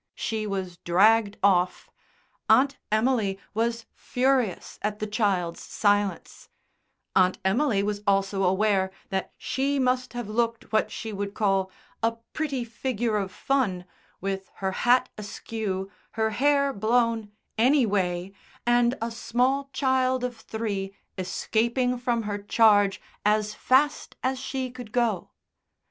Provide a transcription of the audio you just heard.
She was dragged off. Aunt Emily was furious at the child's silence; Aunt Emily was also aware that she must have looked what she would call "a pretty figure of fun" with her hat askew, her hair blown "anyway," and a small child of three escaping from her charge as fast as she could go.